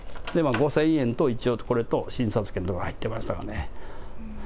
５０００円と一応、これと診察券とか入ってましたね。